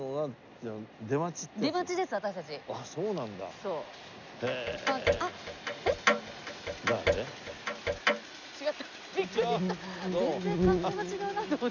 全然格好が違うなと思ったら。